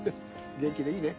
元気でいいね。